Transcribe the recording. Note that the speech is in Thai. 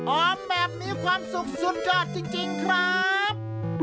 อมแบบนี้ความสุขสุดยอดจริงครับ